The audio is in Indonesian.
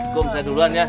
kum saya duluan ya